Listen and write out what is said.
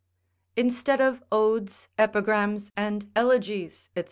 Instead of odes, epigrams and elegies, &c.